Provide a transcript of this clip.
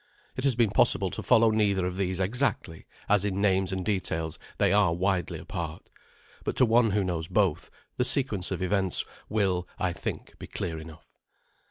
It has been possible to follow neither of these exactly, as in names and details they are widely apart; but to one who knows both, the sequence of events will, I think, be clear enough.